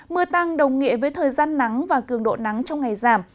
mưa tăng đồng nghĩa với thời gian nắng và cường độ nắng trong ngày giảm